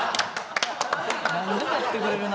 何でもやってくれるな。